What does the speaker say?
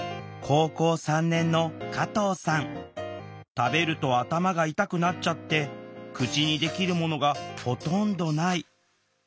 食べると頭が痛くなっちゃって口にできるものがほとんどない。